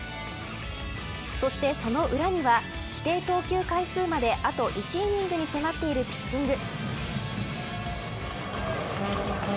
そして、その裏には規定投球回数まであと１イニングに迫っているピッチング。